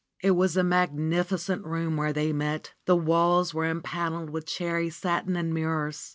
It was a magnificent room where they met. The walls were empanneled with cherry satin and mirrors.